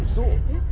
えっ？